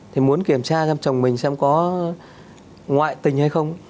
thì muốn kiểm tra xem chồng mình xem có ngoại tình hay không